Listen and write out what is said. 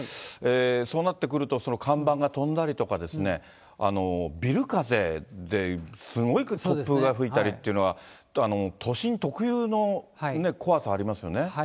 そうなってくると、看板が飛んだりとかですね、ビル風ですごい突風が吹いたりっていうのは、都心特有の怖さありますよね。